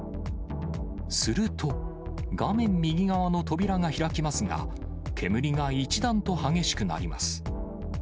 すると、画面右側の扉が開きますが、煙が一段と激しくなります。